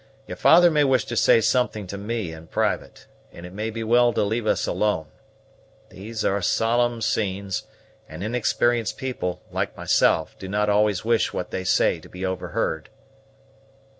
Your father may wish to say something to me in private, and it may be well to leave us alone. These are solemn scenes, and inexperienced people, like myself, do not always wish what they say to be overheard."